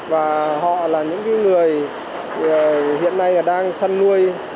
và họ là những người hiện nay đang chăn nuôi